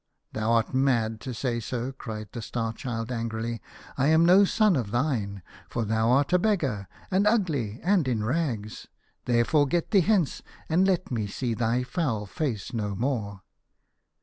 " Thou art mad to say so,'" cried the Star Child angrily. " I am no son of thine, for thou art a beggar, and ugly, and in rags. There fore get thee hence, and let me see thy foul face no more."